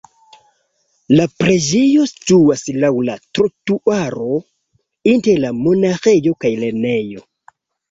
La preĝejo situas laŭ la trotuaro inter la monaĥejo kaj lernejo.